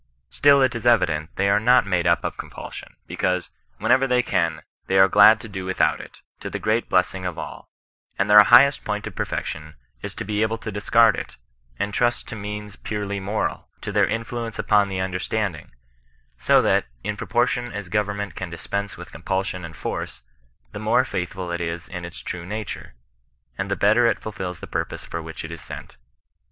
Still it is evident they are not made up of compulsion, because, whenever they can, they are glad to do without it, to the great blessing of all ; and their highest point of perfection is to be able to discard it, and trust to means purely moral, to their influence upon the understanding: so that, in propor tion as government can dispense with compulsion and force, the more faithful it is in its true nature, and the better it fulfils the purpose for which it is sent.